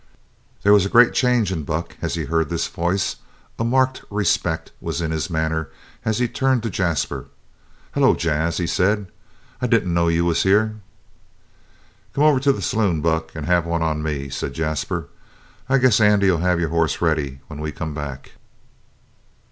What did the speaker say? There was a great change in Buck as he heard this voice, a marked respect was in his manner as he turned to Jasper. "Hello, Jas," he said. "I didn't know you was here." "Come over to the saloon, Buck, and have one on me," said Jasper. "I guess Andy'll have your hoss ready when we come back."